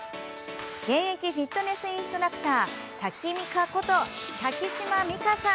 現役フィットネスインストラクタータキミカこと瀧島未香さん。